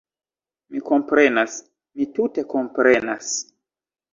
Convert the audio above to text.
Mi komprenas... mi tute komprenas